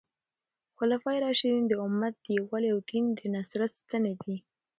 خلفای راشدین د امت د یووالي او د دین د نصرت ستنې دي.